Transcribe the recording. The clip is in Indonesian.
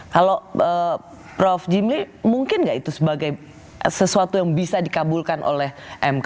kalau prof jimli mungkin nggak itu sebagai sesuatu yang bisa dikabulkan oleh mk